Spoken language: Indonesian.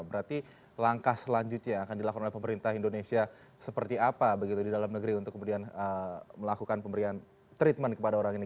berarti langkah selanjutnya yang akan dilakukan oleh pemerintah indonesia seperti apa begitu di dalam negeri untuk kemudian melakukan pemberian treatment kepada orang ini